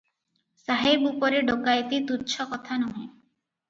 ସାହେବ ଉପରେ ଡକାଏତି ତୁଚ୍ଛ କଥା ନୁହେଁ ।